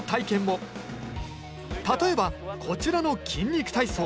例えばこちらの「筋肉体操」。